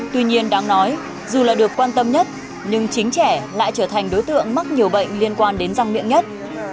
tuy nhiên đáng nói dù là được quan tâm nhất nhưng chính trẻ lại trở thành đối tượng mắc nhiều bệnh liên quan đến răng miệng nhất